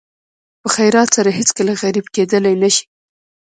په خیرات سره هېڅکله غریب کېدلی نه شئ.